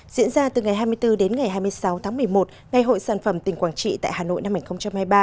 diễn ra từ ngày hai mươi bốn đến ngày hai mươi sáu tháng một mươi một ngày hội sản phẩm tỉnh quảng trị tại hà nội năm hai nghìn hai mươi ba